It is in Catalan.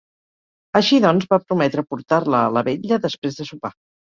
Així, doncs, va prometre portar-la a la vetlla després de sopar.